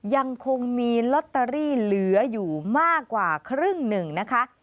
ยังคงมีลอตเตอรี่เหลืออยู่มากกว่าครึ่งหนึ่งนะคะ